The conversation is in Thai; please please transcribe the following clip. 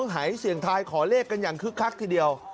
หายเสียงทายขอเลขกันอย่างคึกคักทีเดียว